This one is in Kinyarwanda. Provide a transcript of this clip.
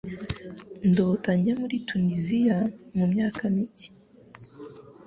Ndota njya muri Tuniziya mumyaka mike.